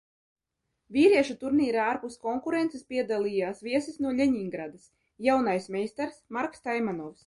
Vīriešu turnīrā ārpus konkurences piedalījās viesis no Ļeņingradas, jaunais meistars Marks Taimanovs.